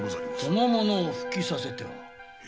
その者を復帰させてはどうだ？